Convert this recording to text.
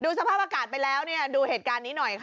สภาพอากาศไปแล้วดูเหตุการณ์นี้หน่อยค่ะ